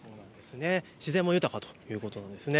自然も豊かということですね。